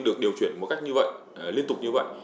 được điều chuyển một cách như vậy liên tục như vậy